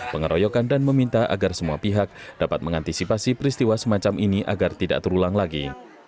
pengeroyokan dan meminta agar semua pihak dapat mengantisipasi peristiwa semacam ini agar tidak terulang lagi